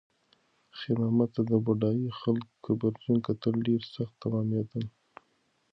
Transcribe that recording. خیر محمد ته د بډایه خلکو کبرجن کتل ډېر سخت تمامېدل.